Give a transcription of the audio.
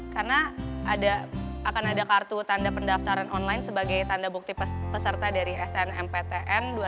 karena akan ada kartu tanda pendaftaran online sebagai tanda bukti peserta dari snmptn dua ribu enam belas